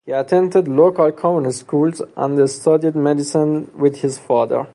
He attended local common schools and the studied medicine with his father.